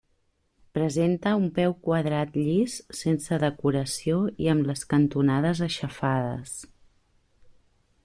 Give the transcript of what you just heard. Presenta un peu quadrat llis, sense decoració i amb les cantonades aixafades.